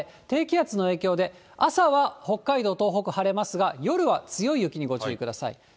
低気圧の影響で朝は北海道、東北、晴れますが、夜は強い雪にご注意ください。